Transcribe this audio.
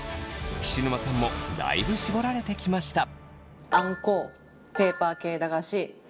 菱沼さんもだいぶ絞られてきました。